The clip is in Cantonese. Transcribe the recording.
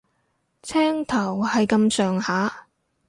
青頭係咁上下